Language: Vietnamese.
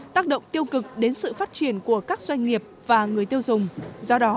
tác động tiêu cực đến sự phát triển của các doanh nghiệp và người tiêu dùng